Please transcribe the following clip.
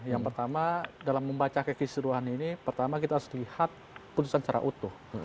yang pertama dalam membaca kisah kisah di ruangan ini pertama kita harus lihat putusan secara utuh